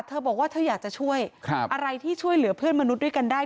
บอกว่าเธออยากจะช่วยอะไรที่ช่วยเหลือเพื่อนมนุษย์ด้วยกันได้